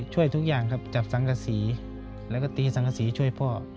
ช่วยทุกอย่างครับจับสังกษีแล้วก็ตีสังกษีช่วยพ่อ